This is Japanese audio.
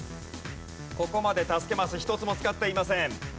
ここまで助けマス一つも使っていません。